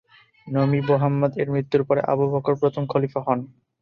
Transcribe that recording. নবী মোহাম্মদ-এর মৃত্যুর পরে আবু বকর প্রথম খলিফা হন।